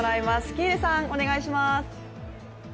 喜入さん、お願いします。